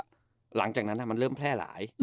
หลังจากนั้นมันเริ่มแพร่หลาย